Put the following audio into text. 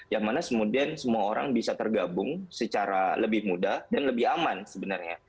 yang mana kemudian semua orang bisa tergabung secara lebih mudah dan lebih aman sebenarnya